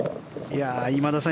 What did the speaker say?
今田さん